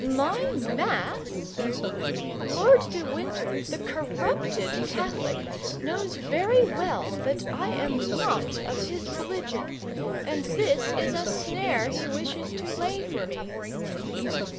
My Mass? Lord de Winter, the corrupted Catholic, knows very well that I am not of his religion, and this is a snare he wishes to lay for me!"